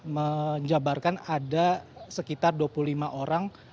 menjabarkan ada sekitar dua puluh lima orang